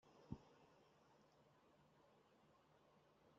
Tuvieron dos hijos y la familia se estableció en Kessel-Lo.